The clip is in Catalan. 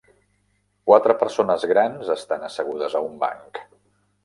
Quatre persones grans estan assegudes a un banc.